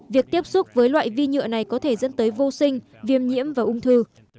việc tiếp xúc với loại vi nhựa này có thể dẫn tới vô sinh viêm nhiễm và ung thư